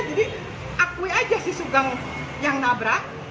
jadi akui aja si sugeng yang nabrak